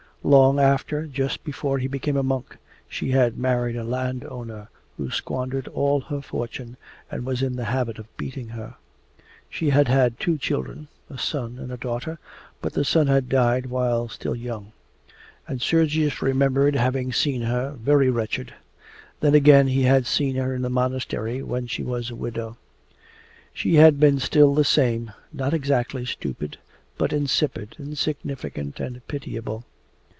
Long after, just before he became a monk, she had married a landowner who squandered all her fortune and was in the habit of beating her. She had had two children, a son and a daughter, but the son had died while still young. And Sergius remembered having seen her very wretched. Then again he had seen her in the monastery when she was a widow. She had been still the same, not exactly stupid, but insipid, insignificant, and pitiable.